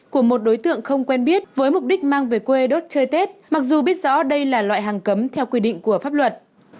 của một đối tượng không quen biết với mục đích mang về quê đốt chơi tết mặc dù biết rõ đây là loại hàng cấm theo quy định của pháp luật